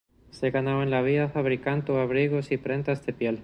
Se ganaban la vida fabricando abrigos y prendas de piel.